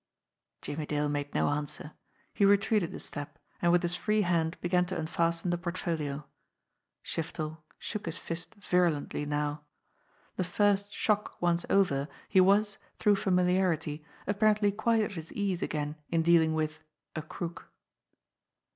Jimmie Dale made no answer. He retreated a step, and with his free hand began to unfasten the portfolio. Shiftel shook his fist virulently now. The first shock once over, he was, through familiarity, apparently quite at his ease again in dealing with a crook.